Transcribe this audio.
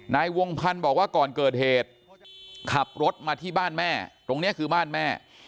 นายวงพันธ์บอกว่าก่อนเกิดเหตุขับรถมาที่บ้านแม่ตรงนี้คือบ้านแม่